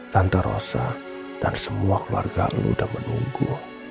tante rosa dan semua keluarga lu udah menunggu